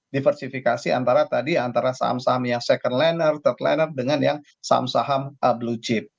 diversifikasi antara tadi antara saham saham yang second laner third laner dengan yang saham saham blue chip